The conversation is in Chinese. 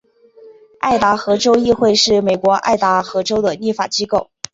爱达荷州议会是美国爱达荷州的立法机构。